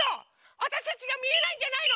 わたしたちがみえないんじゃないの？